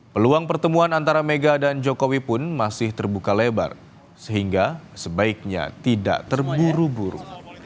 peluang pertemuan antara mega dan jokowi pun masih terbuka lebar sehingga sebaiknya tidak terburu buru